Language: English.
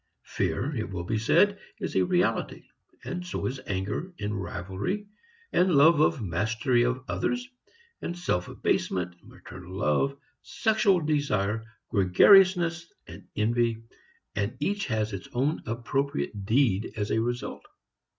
Fear, it will be said, is a reality, and so is anger, and rivalry, and love of mastery of others, and self abasement, maternal love, sexual desire, gregariousness and envy, and each has its own appropriate deed as a result.